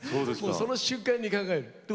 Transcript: その瞬間に考える。